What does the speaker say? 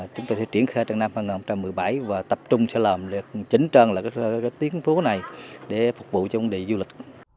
chúng tôi sẽ triển khai trong năm hai nghìn một mươi bảy và tập trung sẽ làm được chính trơn là cái tiến phố này để phục vụ cho quân địa du lịch